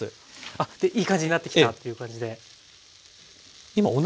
あっでいい感じになってきたっていう感じで。